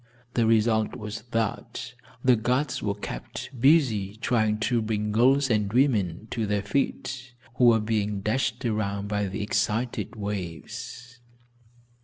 The result was that the guards were kept busy trying to bring girls and women to their feet, who were being dashed around by the excited waves.